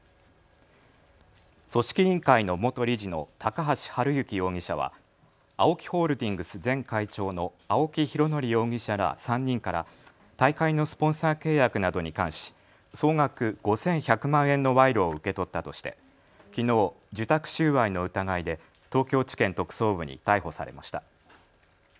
組織委員会の元理事の高橋治之容疑者はＡＯＫＩホールディングス前会長の青木拡憲容疑者ら３人から大会のスポンサー契約などに関し総額５１００万円の賄賂を受け取ったとしてきのう受託収賄の疑いで東京地検特捜部に逮捕されました。